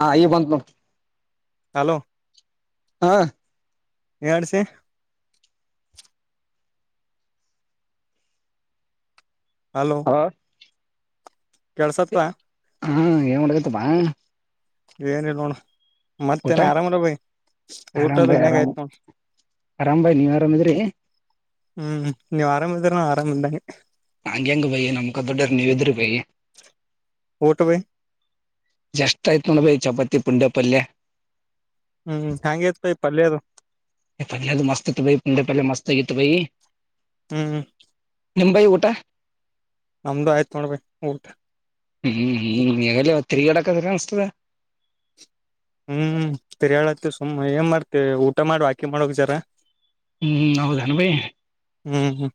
ಹಾ ಈ ಬಂತು ನೋಡು ಹಲೋ ಹಾ ಯಡ್ಸಿ ಹಲೋ ಕೆಳ್ಸತ್ವಾ ಹಾ ಏನ್ ಮಾಡಗತ್ತಪ್ಪಾ ಏನಿಲ್ಲ ನೋಣ ಊಟ ಆರಾಮ್ ಊಟದು ಭಾಯ ಮನ್ಯಾಗ ಆರಾಮ್ ಆಯ್ತ್ ನೋಡ್ ಆರಾಮ್ ಭಾಯಿ ನೀವ್ ಆರಾಮಿದ್ರಿ ಹ್ಮ್ ನೀವ್ ಆರಾಮಿದ್ರೆ ನ ಆರಾಮಿದ್ದಂಗೆ ನಂಗಗೆ ಅಂಗ ಬಯ ನಮಕ್ ದೊಡ ನೀ ಎದರು ಭೈ ಊಟ ಬೈ ಜಷ್ಟ್ ಆಯ್ತ ನೋಡ ಭೈ ಚಪಾತಿ ಪುಂಡ್ಯ ಪಲ್ಯ ಹ್ಮ್ ಹಂಗೆ ಇತ್ ಬೈ ಪಲ್ಯದು ಪಲ್ದು ಮಸ್ತತ್ತುು ಭೈ ಪುಂಢೆ ಪಲ್ಯ ಮಸ್ತ್ ಹಗಿತ್ತು ಭೈ ಹ್ಮ್ ನಿಮ್ಮ ಬೈ ಊಟ ನಮ್ದು ಆಯ್ತು ನೋಡ ಭೈ ಊಟ ಹ್ಮ್ ಹ್ಮ್ ತಿರುಗಾಡಕದ ಕಾಣಸ್ತದ ಹ್ಮ್ ತಿರಿಯಾಳತ್ ಸುಮ್ ಏನ್ ಮಾಡ್ತಿವಿ ಊಟ ಮಾಡ ವಾಕಿ ಮಾಡಕ್ ಜರ ಹ್ಮ್ ಹೌದಾನ ಭೈ ಹ್ಮ್ ಹ್ಮ್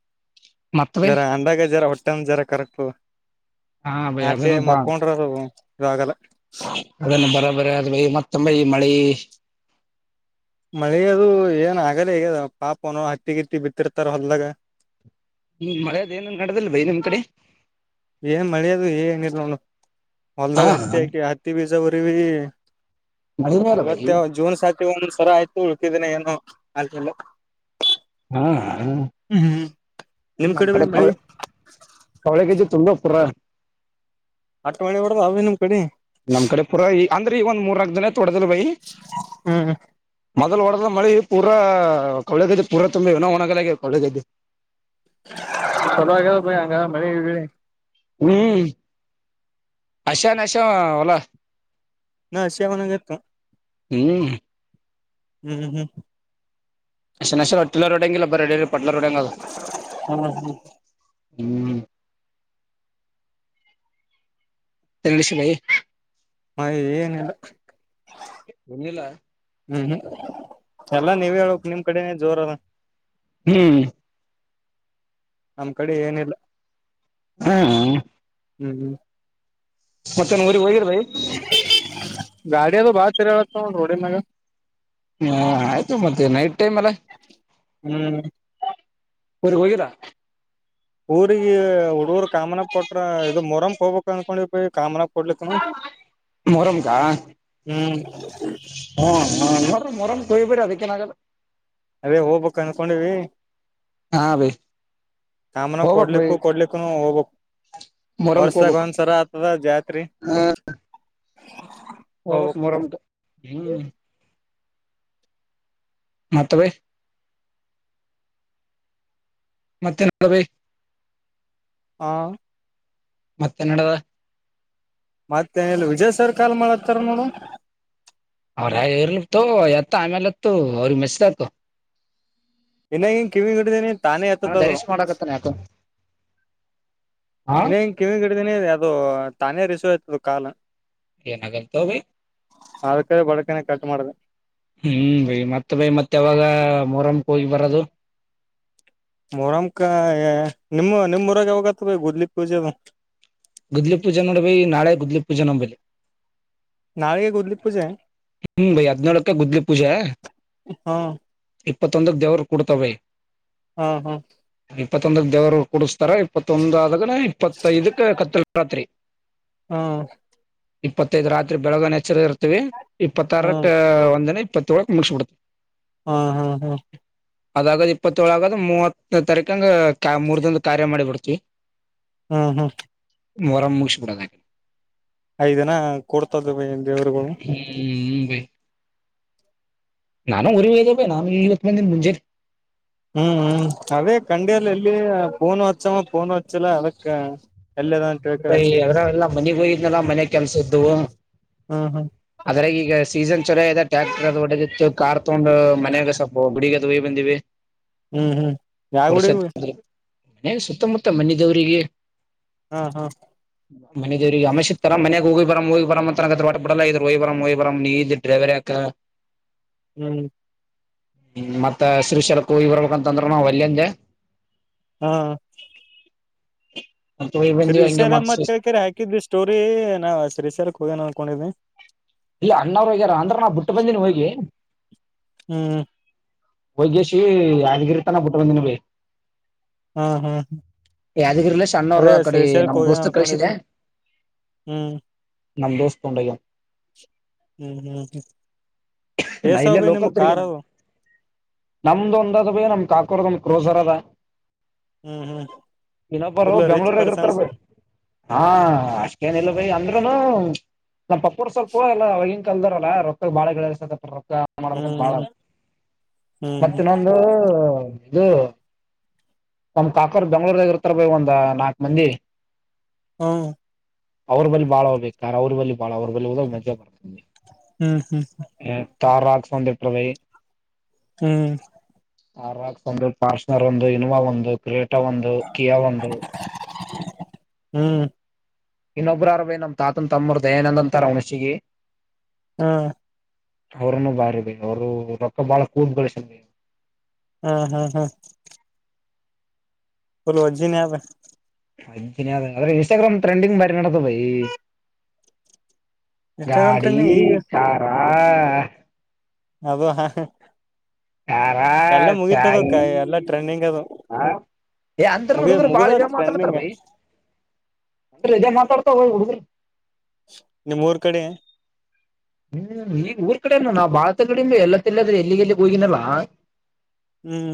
ಜರ ಅಂಡಾಗ ಜರ ಹೊಟ್ಟೆ ಜರ ಕರೆಕ್ಟ್ ಪ್ಪ ಹಾ ಆಟೆ ಮಕ್ಕೊಂಡ್ರ ಆಾಗಲ್ಲ ಅದನ್ನು ಬರ ರ ಅ ಮತ್ತಮ್ಮ ಮಳೆ ಮಳೆಯದು ಏನ್ ಆಗಲ್ಲ ಹೇದ ಪಾಪನೋ ಹತ್ತಿಗಿತ್ತಿ ಬಿತ್ತಿರ್ತಾರ ಹೊಲ್ದಾಗ ಹ್ಮ್ ಮಳೆದ ಏನನ್ ನಡದಲ್ ಬೈ ನಿಮ್ ಕಡೆ ಏನ್ ಮಳಿಯೋದು ಏಂಗಿಿಲ್ಲ ನೋು ಹಾ ಹೊಲ್ದಾಗ ಹತ್ತಿ ಆಯಕಿ ಹತ್ತಿ ಬೀಜ ಬರಿ ಭ ಮಳಿನೇ ಇಲ್ಲ ಬೈ ಅವತ್ತ ಜೂನ್ ಸಾತಿ ಒಂದ್ ಸರ ಆಯ್ತು ಉಳ್ಕಿದೀನ ಏನುೋ ಆಕಲ್ಲ ಹ್ಮ ನಿಮ್ ನಮ್ ಬೈ ಕಡೆ ಮಳಿ ಕವೆ ಕವಳೆಗ್ದು ತುಂಬ ಪ್ಪರ ಅಟ್ ಮಣಿ ಹೊಡದ ಅವೇ ನಿಮ್ ಕಡೆ ನಮ್ ಕಡೆ ಪುರಾ ಅಂದ್ರೆ ಈ ಒಂದ್ ಮೂರಗ್ ಜನ ಕೊಡದಲ್ಲ ಬೈ ಹ್ಮ್ ಮದ ಒಡ ಮಳಿ ಪೂರ ಕಳಗದ್ದೆ ಪೂರ ತುಂಬೆ ಇನ ಒಣಗ ಕಳಗೈದ್ದೆ ಚಲ ಪಿ ಅಂಗ ಮಳಿಿ ಹ್ಮ ಅಶಾ ನಶ ಒಲ್ಲಾ ನಾ ಶ್ಯಾಮಾನಗರ್ತ ಹ್ಮ್ ಹ್ಮ್ ಹ್ಮ್ ಹ್ಮ್ ಪೆಷ ಒಟ್ಟೆವರಡೆಬ್ಬರ ಹ್ಮ್ ಹ್ಮ್ ಹ್ಮ್ ತಳಷನಾಯ ಮ ಏನಿಲ್ಲ ಒನ್ನಿಲ್ಲ ಹ್ಮ್ ಹ್ಮ್ ಎಲ್ಲ ನೀವ್ ಹೇಕ್ ನಿಮ್ ಕಡೆನ ಜೋರ ಅಲ್ಲ ಹ್ಮ್ ನಮ್ಮ್ ಕಡೆ ಏನಿಲ್ಲ ಹ್ಮ ಹ್ಮ್ ಹ್ಮ ಮತ್ತೆ ಊರಿ ಹೋಗಿರ್ ಗಾಡಿ ಅದು ಬಾಳ ತೆರ ನ ರೋಡಿನಾಗ ಹಾ ಆಯ್ತು ಮತ್ತೆ ನೈಟ್ ಟೈಮ್ ಎಲ್ಲ ಹ್ಮ್ ಹರಿ ಹೋಗಿರಾ ಊಗ ಹುಡುಗರ್ ಕಾಮನ ಕೊಟ್ಟ ಇದು ಮೊರಮ ಹೋಗ್ಬೇಕ ಅಂದನ್ಕೊಂಡಿ ಕಾಮ ಮೊರಂಕಾ ಹ್ಮ್ ಹ್ಮ ಹ ಮರ ಮೊರಂ ಕಯಿಬರ ಅದಕ್ಕೆ ನಾಗಲ್ಲ ಅದೇ ಹೋಗ್ಬೇಕಕ್ ಅಂದಕೊಂಡಿವವಿ ಹಾ ಬೈ ಸಾಮನಾಗ ಹೋಗ್ಬಕ್ ಬೈ ಕೊಡ್ಲಿಕ್ಕೂ ಕೊಡ್ಲಿಕ್ಕನು ಹೋಗಕ್ ಮೊಹರಂಕ್ ವರ್ಷಗ ಹೋಗ್ಬಕ್ ಒಂದ್ಸರ ಆತದ ಜಾತ್ರಿ ಹೋಗತ್ ಹೋಗ್ಬಕ್ ಮೂರಟ ಹ್ಮ್ ಮಾ ತವೇ ಮತ್ತೆ ನಡುವೇ ಹಾ ಮತ್ತೆ ನಡದ ಮತ್ತೇನಲ್ಲಿ ವಿಜಯ್ ಸರ್ ಕಾಲ್ ಮಾಡತ್ತಾರ ನೋಡು ಅವ್ರ ಇರ್ಲತ ಎತ್ತ ಆಮೇಲೆ ಎತ್ತು ಅವ್ರಿಗೆ ಮೆಸದಾತು ಇನ್ನಾಗನ್ ಕಿವಿಡಿದೀನಿ ತಾನೇ ಆತಕ್ದು ಧರೀಶ್ ಮಾಡಕತ್ತಾನ ಯಾಕೋ ಹಾ ಇನ್ನ ಹಂಗ ಕಿವಿ ಹಿಡಿದೀನಿ ಅದು ತಾನೇ ರಿಸ್ಯ್ತದ ಕಾಲ ಏನಗಲ್ ತ ಭ ಅದಕಡೆ ಬಡಕನೆ ಕಟ್ ಮಾಡ್ರ ಹ್ಮ್ ಬೈ ಮತ್ತ ಬೈ ಮತ್ತೆ ಯಾವಾಗ ಮೊರಮಕ್ ಹೋಗಿ ಬರದು ಮೊರಮಕ ನಿಮ್ಮ ನಿಮ್ಮ್ರಗೆ ಹೋಗತ್ತ ಬ ಗದ್ಲಿ ಪೂಜೆ ಗುದ್ಲಿ ಪೂಜೆ ನೋಡಬ ನಾಳೆ ಗುದ್ಲಿ ಪೂಜೆ ನಂಬಲ್ಲಿ ನಾಳೆಗೆ ದ್ಲಿ ಪೂಜೆ ಹ್ಮ್ ಬೈ ಹದ್ಿನಾಳುಕ ಗುದ್ಲಿ ಪೂಜಾ ಹಾ ಇಪ್ಪತ್ತೊಂದಕ್ಕೆ ದೇವರು ಕೊಡ್ತವೆ ಹ್ಮ್ ಹ್ಮ್ ಇಪ್ಪತ್ತೊಂದಕ್ ದೇವರರು ಕುಡಸ್ತಾರ ಇಪ್ಪತ್ತೊಂದ ಆದಾಗ ಇಪ್ಪತ್ತ ಇದುಕ್ಕೆ ಕತ್ತ ರಾತ್ರಿ ಹಾ ಇಪ್ಪತ್ತೈದ ರಾತ್ರಿ ಬೆಳಗನ ಎಚ್ಚರದ ಇರ್ತೀವಿ ಇಪ್ಪತ್ತ ಹಾ ಆಾರಕ್ಕೆ ಒಂದನ ಇಪ್ಪತ್ ವಳಕ ಮುಷಡತ ಹ್ಮ ಹಾ ಹಾ್ ಅದಾಗದ್ ಇಪ್ಪತ್ತಏಳಗದ್ ಮೂವತ್ತ ತಾರೀಕಂಗ ಮೂರ್ ದಂದು ಕಾರ್ಯ ಮಾಡಿ ಬಿಿಡ್ತಿವಿ ಹ್ಮ್ ಹ್ಮ್ ಮರಂ ಮುಷಿ ಪಕೆ ಐದಿನ ಕೊಡ್ತದ ದೇವರುಗಳು ಹ್ಮ್ ಮುಂಬೈ ನಾನು ಒ ವಯದಪಿ ನಾನು ಇವತ್ತ ಮಂದಿನ ಮುಂಜೆರಿ ಹ್ಮ್ ಹ್ಮ್ ಅದೇ ಕಂಡಿಯಲ್ಲ ಎಲ್ಲಿ ಫೋನ್ ವಚಾಮ ೋನ್ ವಚ್ಚಲ್ಲ ಅಳಕ್ಕ ಎಲ್ಲ ಮನೆಗ್ ಹೋಗಿದ್ನಲ್ಲ ಮನೆ ಕೆಲ್ಸ ಇದ್ದವು ಹ್ಮ್ ಹ್ಮ್ ಅದ್ರಾಗ ಈಗ ಸೀಜನ್ ಚದೆ ಟ್ರ್ಯಾಕ್ಟರ್ ಅದು ಒಡದಿತ್ತು ಕಾರ್ ತೊಂಡು ಮಯಾಗ ಸೊಪ್ಪ ಗುಡಗ ಬಂದಿವ ಹ್ಮ್ ಹ್ಮ್ ಯಾ ಗುಡಿಗ್ ಹೋಗ್ ಮ ಸುತ್ತಮುತ್ತ ಮನ ದವ್ರರಿಗೆ ಹಾ ಹಾ ಮನೆದೇವ್ರಿಗೆ ಇತ್ತಲ್ಲ ಮನೆ ಹೋಗಿ ಬರಂ ಹೋಗಿ ಬರಂ ಅಂತ ಅನಕತಿದ್ರು ಒಟ್ಟ ಬಿಡಲ್ಲ ಆಗಿದ್ರು ಹೋಗಿ ಬರಂ ಹೋಗಿ ಬರಂ ನೀ ಇದೀ ಡ್ರೈವರ್ ಯಕ ಹ್ಮ್ ಹ್ಮ ಮತ್ತ ಶೀಷಲಕು ಇ್ರಬೇಕ ಅಂತಂದ್ರರು ನಾ ವಲ್ಯ ಅಂದೆ ಹಾ ಮತ್ ಹೋಗಿ ಬಂದಿವಿ ಹಂಗೆ ಶ್ರೀಶೈಲಂ ಮತ್ ಸುಸ್ ಅಂತ ಹಾಕಿದ್ದಿ ಸ್ಟೋರಿ ನಾವ ಶ್ರೀಶರ್ ಹೊಗ್ಯನ ಅನ್ಕೊಂಡಿದ್ವಿ ಇಲ್ಲ ಅಣ್ಣವ್ರು ಹಗ್ಯಾರ ಅಂದ್ರ ನಾ ಬಿಟ್ಟು ಬಂದನಿ ಹೋಗಿ ಹ್ಮ್ ವಗೇಶಿ ಯಾದಗಿರಿ ತಾನ ಬಿುಟ್ಟು ಬಂದಿನ ಬೈ ಹ್ಮ್ ಹ್ಮ್ ಹ್ಮ ಯಾದಗಿರಿಲ್ಲ ಸ ಅಣ್ಣವರು ಆ ಕಡೆ ನಮ್ ಹೋಗ್ಯನ ದೋಸ್ತ್ ಕಳಿಸಿದೆ ಅನ್ಕೊಂಡಿದ್ವಿ ಹ್ಮ್ ನಮ್ ದೋಸ್ತ ತೊಗೊಂಡು ಹೊಗ್ಯನ ಹ್ಮ್ ಹ್ಮ್ ನಾ ಎಸವ್ ಇಲ್ಲೇ ಭ ನಿಮ್ ಲೋಕಲ್ ತಿರುಗ ಕಾರ್ ಅವು ನಮ್ದು ಒಂದ ಸಭಯ ನಮ್ ಕಾಕೋರ್ದ ನಮ್ ಕ್ರೋಸರ್ ಅದ ಹ್ಮ್ ಹ್ಮ್ ಇನ್ನೊಬ್ಬರು ಫುಲ್ ರಿಚ್ ಬೆಂಗ್ಳೂರಗ ಇರ್ತಾರ ಪರ್ಸನ್ಸ್ ಬೈ ಹಾ ಅಷ್ಟೇನಿಲ್ಲ ಭೈ ಅಂದ್ರೆ [unintelligible] ನಮ್ಮ ಪಪೋರ್ ಸ್ವಲ್ಪ ಎಲ್ಲ ಅವವಾಗಿ [unintelligible] ಮಾಡಬೇಕ ಬಾಳ ಆ ಹ್ಮ್ ಹ್ಮ್ ಮತ್ತ ಇನ್ನೊಂದು ಇದು ನಮ್ ಕಾಕೋರ್ ಬೆಂಗ್ಳೂರಾಗ ಇರ್ತಾರ ಬ ಒಂದ ನಾಕು ಮಂದಿ ಹ್ಮ್ ಅವ್ರ ಬಳಿ ಬಾಳ ಹೋಗ್ಬೇಕ್ರ ಅವ್ರ ಬಳಿ ಬಳ ಅವರು ಬೆಲ್ಲುವದ ಉಮಜಾ ಪತಿ ಹ್ಮ್ ಹ್ಮ್ ಹ ತಾರಾ ಸಂದಿ ಪ್ರದ ಹ್ಮ್ ಆರಾಕ್ಸ್ ಒಂದು ಪಾರ್ಸನರ್ ಒಂದು ಇನೋವಾ ಒಂದು ಕ್ರೇಟ್ ಊಟ ಒಂದು ಕಿಯಾ ಒಂದು ಹ್ಮ್ ಇನ್ನೊಬ್ರಾರವೇ ನಮ ತಾತನ ತಮ್ಮರು ದಯಾನಂದ ಅಂತಾರ ಉಣಸಗಿ ಹ್ಮ ಅವ್ರನ್ನು ಬಾರಿ ಬೆ ಅವರು ರೊಕ್ಕ ಬಾಳ ಕುಡಿ ಗಳಿಸ್ಯರ ಹ್ಮ್ ಹ್ಮ್ ಹ್ಮ್ ಬಲು ಒಜ್ಜಿನೆ ಅದ ಒಜ್ಜಿನೆ ಅದ ಇನ್ಸ್ಟಾಗ್ರಾಮ್ ಟ್ರೆಂಡಿಂಗ್ ಬಾರಿ ನಡದಾದ ಇ ಇನ್ಸ್ಟಾಗ್ರಾಮ್ ಗಾಡಿ ಟ್ರೆಂಡಿಂಗ್ ಈಗ ಕಾರ ಆಹಾ ಅದು ಅಹಃ [unintelligible] ಕಾರ ಚಾಯ ಎಲ್ಲಾ ಟ್ರೆಂಡಿಂಗ್ ಅದು ಹ ಯೇ ಅಂದ್ರ ಮುಗಿ ಹುಡುಗರು ಬಾಳ ಮುಗ್ದ ಇ ಮಾತಾಡ್ತಾರೆ ಟ್ರೆಂಡಿಂಗ್ ಬೆ ಅಂದ್ರ ಇ [unintelligible] ಮಾತಾಡ್ತಾರ ಹುಡುಗರ [unintelligible] ನಿಮ್ಮೂರ್ ಕಡೆ ಈಗ ಊರ ಕಡೆ ಏನ್ ನಾ ಬಾಳ ತಿರಗಾಡಿನಿ [unintelligible] ಎಲ್ಲಿ ಅಂತಿ ಅಲ್ಲಿ ಎಲ್ಲಿ ಎಲ್ಲಿಗೆ ಹೋಗಿನಲ್ಲ ಹ್ಮ್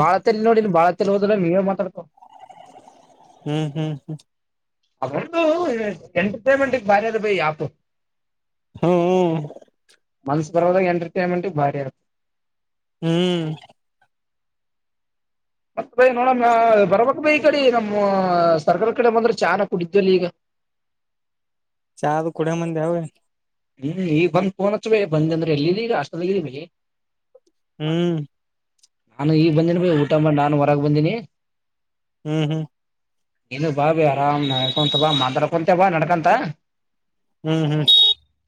ಬಾಳ ತಲ್ಲಿ ನೋಡಿನಿ ಬಾಳ [unintelligible] ನೀವೇ ಮಾತಾಡ್ತಾವು ಹ್ಮ್ ಹ್ಮ್ ಅವ ಇರ್ತಾವು ಎಂಟರ್ಟೈನ್ಮೆಂಟ್ ಬಾರಿಬೈ ಯಪು ಹ್ಮ್ ಹೂ [unintelligible] ಬರೋದಾಗ ಎಂಟರ್ಟೈನ್ಮೆಂಟ್ ಭಾರಿ ಆತೆ ಹ್ಮ್ ಮತ್ತ [unintelligible] ನೋಡಣ ಬರಬಕು ಈ [unintelligible] ಕಡೆ ನಮ್ಮ ಸರ್ಕಾರಲ್ ಕಡೆ ಬಂದ್ರೆ ಚಾನ ಕುಡಿತಿದ್ದಿಯಲ್ ಈಗ ಚಾ ಅದು ಕುಡಿಮು ಅಂದೇ [unintelligible] ಹೂ ಹೀಗ ಬಂದ್ ಫೋನ್ ಅಚ್ಚ ಬೆ ಬಂದೇದ್ರ ಎಲ್ಲಿ ಅದಿ ಹಾಸ್ಟೆಲ್ [unintelligible] ದಾಗ ಅದಿರಿ ಹ್ಮ್ ನಾನು ಈಗ ಬಂದೀನಿ ಬಯ ಊಟ ಮಾಡಿ ನಾನು ಹೊರಗ ಬಂದೀನಿ ಹ್ಮ್ ಹ್ಮ್ ನೀನು ಬಾ ಬೆ ಆರಾಮ ನಡಕೊಂತ ಬಾ ಮಾತಾಡ್ಕೊಂತ ಬಾ ನಡ್ಕೊಂತ ಹ್ಮ್ ಹ್ಮ್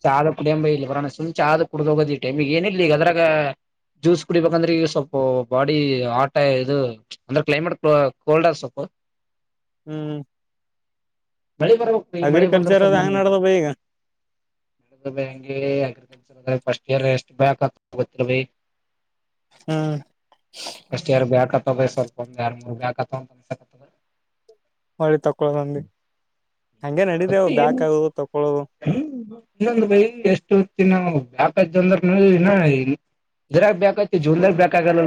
ಚಾದ ಕುಡಿಯಂಬ ಇ ಬರೋ ಸುಮ್ ಚ ಆದ್ ಕುಡ್ದ ಹೋಗೋದ ಈ ಟಮ [unintelligible] ಈಗ ಏನಿಲ್ಲ ಈಗ ಅದ್ರಾಗ ಜ್ಯಸ್ ಕುಡಿಬೇಕಂದ್ರ ಈಗ ಸ್ವಲ್ಪ ಇ ಬಾಡಿ ಹಾಟ್ ಇದು ಅಂದ್ರೆ ಕ್ಲೈಮೇಟ್ ಕೋಲ್ಡ್ ಅದ ಸ್ವಲ್ಪು ಹ್ಮ್ ಮಳೆ ಬರ್ಬೇಕೀ ಮಳೆ ಬಂದ್ರ ಅಗ್ರಿಕಲ್ಚರ್ ಅದ ಸ್ವಲ್ಪ ಹೆಂಗ್ ನಡ್ದ ಬ ಈಗ [unintelligible] ಬೆಳಿಗಳು [unintelligible] ಫಸ್ಟ್ ಇಯರ್ ಎಸ್ಟ್ ಬ್ಯಾಕ್ ಹೋಗತಿರ್ವಿ ಹ್ಮ್ ಅಷ್ಟ [unintelligible] ಯಾರು ಬ್ಯಾಕಪ್ ಸ್ವಲ್ಪ [unintelligible] ಒಳ್ಳಿ ತಕ್ಕೋಳ್ಳುದು [unintelligible] ಹಂಗೆ ನಡಿದೆ ಅದು ಬ್ಯಾಕ್ ಆಗುದು ತಕ್ಕೋಳ್ಳೋದ್ ಹ್ಮ್ ಇನ್ನೊಂದು ಬೈ ಎಷ್ಟೋತ್ತು ನಾವು [unintelligible] ಇನಾ ಇದರಾಗ ಬ್ಯಾಕ್ ಆಗ್ತಿವಿ ಜೀವನದಾಗ ಬ್ಯಾಕ್ ಆಗಲ್ಲ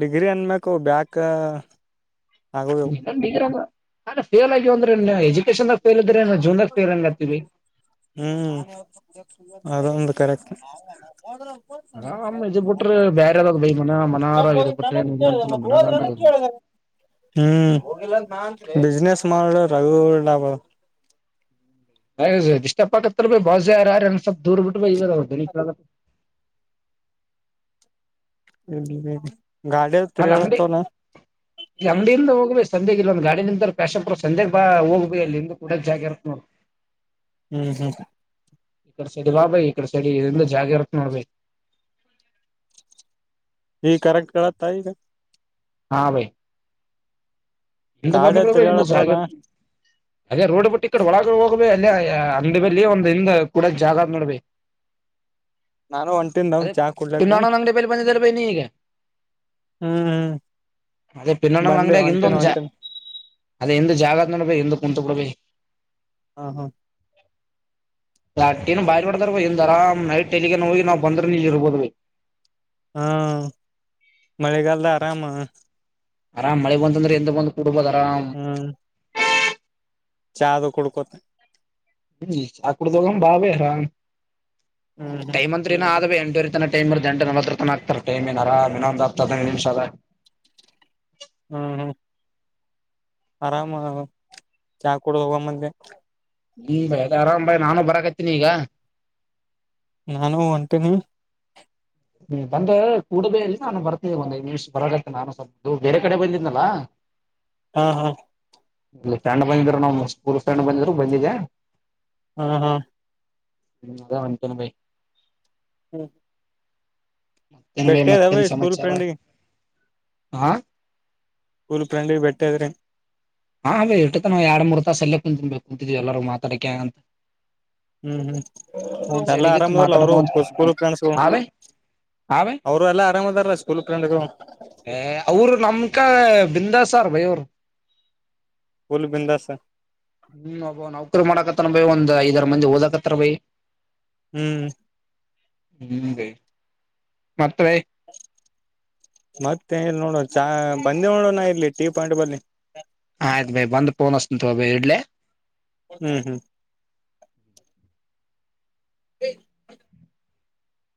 ಡಿಗ್ರಿ ಅನ್ಮಕ ಬ್ಯಾಕ್ ಆಗವು [unintelligible] ಅಲ್ಲ [unintelligible] ಫಲ್ ಆಗಿ ಅ್ರ ಎಜುಕೇಶನ್ ಫಲ್ ಹ್ಮ್ ಅದೊಂದು ಕರೆಕ್ಟ್ ಹ ಅಮ್ಮ ಇದ್ ಬಿಟ್ರೆ ಬೇರೆ ಯಾವಾಗ ಬೈ ಮನ ಮನರ ಇದ ಬಿಟ್ರೆ ಏನ್ ಇಲ್ಲಂತಲ್ಲ ಮನಗಟ ಬಿಸ್ಿನನೆಸ್ ಮಾಡ ರಗಬ ಷ್ಟಪ್ಪ ಬ ಜ ಯಾರಾರ ಸ ದೂರ ಬಿಟ ಇ ಹ್ಮ ಹ್ಮ ಹಲ್ಲಿ ಅಂಗಡಿ ಅಂಗಡಿಯಿಂದ ಹೋಗ್ಬೇಕ ಸಂಂದೆ ಇಲ್ಲ ಒಂದ್ ಗಾಡಿ ನಿಿಂದಂತ ಕ್ಯಾಶಪ ಸಂಜೆಗ್ ಬಾ ಹೋಗ್ಿ ಅಲ್ಲಿ ಇಂದು ಕೂಡ ಜಾಗ ಇರತ್ತ ನೋಡ ಹ್ಮ್ ಹ್ಮ್ ಇಡೆ ಸಡಿ ಬಾ ಭಿ ಇಡೆ ಸಡಿ ಇದರಿಂದ ಜಾಗ ಇರುತ್ ನೋಡ್ ಭಿ ಈ ಕರೆಕ್ಟ್ ಕತ್ತಾ ಈಗ ಹಾ ಭೈ ಎ ಬದಲ ಗಾಡಿಯಲ್ಲಿ ಪ್ರಾವ ಎ ತಿರ್ಗಾಳತ್ತವಲ್ಲ ಸಾಗರ್ ಅದ ರೋಡ್ ಬಿಟ್ಟ ಕಡೆ ಒಳ ಅಲ್ಲಿ ಅಂದ ಬಲ್ಲಿ ಒಂದ್ ಹಿಂದ ಕೂಡ ಜಾಗ ನೋಡ್ಬೇಕ ನಾನು ಹೊಂಟಿನ್ ನಮ್ ಅದೇ ಚಾ ಕುಡ್ಲಕ್ಕ ಪನ್ನಣ ಅಂಗಡೆ ಪ ಪರಪ ನೀಗ ಹ್ಮ್ ಅದೇ ಪನ್ನಣ ಬಂದೆ ಅಂಗಡ ಹೊಂಟೇನ್ ಹೊಂಟೇನ್ ಅದ ಎಂದ ಜಾಗತ್ ನೋಡಬಿ ಎಂದ ಕುಂಂತ ಬಿಡ್ಬಿ ಹಾ ಹಾ ನ್ ಬಾಯ ಕೊತಾರ ಇಂದು ಆರಾಮ್ ನೈಟ್ ಎಲ್ಲಿಗೆ ಹೋಗಿ ನಾವವು ಬಂದ್ರೆ ನೀಲ್ ಇರ್ಬೋದು ಬ ಹಾ ಮಳೆಗಾಲದ ಆರಾಮ ಆರಾಮ್ ಮಳೆ ಬಂದ್ರೆ ಎ ಬಂದು ಬಬಲರಾಮ ಚಾದು ಕುಡ್ಕೊತೆ ಹ್ಮ ಆಕಡೆ ತಕ ಬಬ ಹರಾಮ ಹ್ಮ್ ಹ್ಮ್ ೈ ಮತ್ರಿನ ಆದದ ಎಂಟತ ಟೈಮ್ ಎಂಟ ನಲತನ ಆಗ್ತಾರೆ ಟೈಮ್ಏನರಾಮ ಇೊಂದ ಆಗ್ತದ ಹ ನಿಮಿಷದ ಹ್ಮ್ ಹ್ಮ್ ಆರಾಮ ಚಾ ಕೂಡ ಹೋಗ ಮಧ್ಯೆ ಹ್ಮ್ ಬಾಯ್ ಅದ ಆರಾಮ್ ಬಾಯಿ ನಾನು ಬರಕತೀನಿ ಈಗ ನಾನು ಒಂಟನಿ ಬಂದ ಕೂಡುಬೇ ಅಲ್ಲಿ ನಾನು ಬರ್ತೇನೆ ಒಂದ್ ಐ್ ನಿಮಿಷ ಬರಗತ್ತ ನಾನು ಸ್ವಲ್ ಬೇರೆ ಕಡೆ ಬಂದನಲ್ಲ ಹಾ ಹಾ ಇ ಫ್ರೆಂಡ್ ಬಂದಿದ್ರು ನಾ್ ಸ್ಕೂಲ್ ಫ್ರೆಂಡ್ ಬಂದಿದ್ರು ಬಂದಿದೆ ಹ್ಮ ಹಾ ಹ್ಮ ಅ ಅಂಂತನ ಭೈ ಹ್ಮ್ ಮತ್ತೇನ್ ಬೈ ಭೇಟ್ಟೆ ಹವೆ ಸ್ಕೂಲ್ಫ್ರೆಂಡಿಗೆ ಹ ಸ್ೂಲ್ ್ರೆಂಡ್ ಬೆಟ್ಟೆದ್ರೆ ಹಾ ಬ ಇಟ್ಟು ತ ನಾವು ಎರಡ್ ಮೂರ್ ತಾಸ ಸಲ್ಲೇ ಕುಂತನ್ಬೇಕು ಕುಂತಿದೀವಿ ಎಲ್ಲರೂ ಮಾತಾಡಕ ಅಂತ ಹ್ಮ್ ಹ್ಮ್ ಒಂದ್ ಎಲ್ಲಾ ಸೈಡ್ಗಿತ್ತು ಆರಾಮ್ದಾರಲ್ಲ ಅವರು ಮಾತಾಡ್ಕೊಂತ ಸ್ಕೂಲ್ ಕುಂತಿದ್ವಿ ಫ್ರೆಂಡ್ಸು ಹಾ ಬೈ ಹಾ ಬೈ ಅವರು ಎಲ್ಲಾ ಆರಾಮ್ದಾರಲ್ಲ ಸ್ಕೂಲ್ ಫ್ರೆಂಡ್ು ಸರ್ಮಯ ಅವ ಸ್ಕೂಲ್ ಬಿಂದಾಸ್ ಹ್ಮ್ ಅಬ ನೌಕರಿ ಮಾಡಕ ಭ ಒಂದ್ ಐದಾರರ ಮಂದಿ ಓದಕತ್ತಾರ ಭೈಿ ಹ್ಮ್ ಹ್ಮ ಮತ್ರ ಮತ್ತೆ ನೋಡೋಣ ಚ ಬಂದೇ ನೋಡೋಣ ಇರ್ಲ್ಲಿ ಟೀ ಪಾಯಿಂಟ್ ಬಳಿ ಆ ಆಯ್ತು ಭಿ ಬಂದ್ ಪೋನ್ಸ್ ತ ಭ ಇಡ್ಲೆ ಹ್ಮ್ ಹ್ಮ್ ಹ